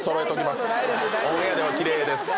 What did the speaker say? オンエアでは奇麗です。